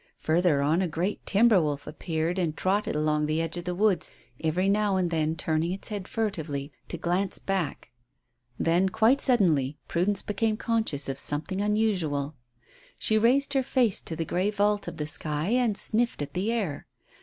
Further on a great timber wolf appeared and trotted along the edge of the woods, every now and then turning its head furtively to glance back. Then quite suddenly Prudence became conscious of something unusual. She raised her face to the grey vault of the sky and sniffed at the air.